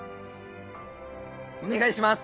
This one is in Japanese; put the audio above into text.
お願いします。